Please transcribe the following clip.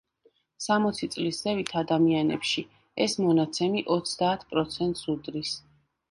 სამოცი წლის ზევით ადამიანებში ეს მონაცემი ოცდაათ პროცენტს უდრის.